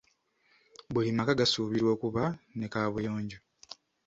Buli maka gasuubirwa okuba ne kaabuyonjo.